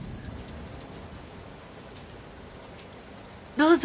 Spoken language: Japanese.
どうぞ。